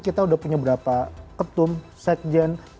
kita udah punya berapa ketum set gen